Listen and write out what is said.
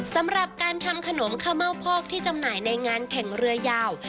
สำหรับการทำขนมข้าวเม่าพอกที่จำหน่ายในงานแข่งเรือยาว